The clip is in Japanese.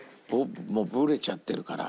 もうブレちゃってるから。